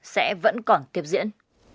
sẽ vẫn còn tiếp diễn